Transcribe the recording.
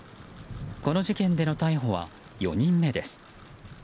この事件での逮捕は４人目です。